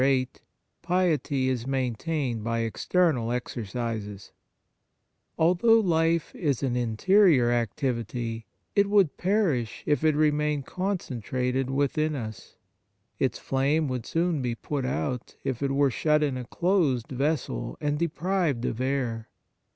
VIII PIETY IS MAINTAINED BY EXTERNAL EXERCISES ALTHOUGH life is an interior activity, it would perish if it remained concentrated within us ; its flame would soon be put out, if it were shut in a closed vessel and deprived of air.